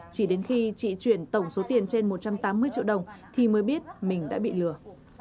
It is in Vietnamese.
chỉ đến khi chị chuyển tổng số tiền trên một trăm tám mươi triệu đồng thì mới biết mình đã bị lừa